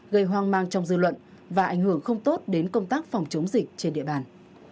gây hoang mang trong dư luận và ảnh hưởng không tốt đến công tác phòng chống dịch trên địa bàn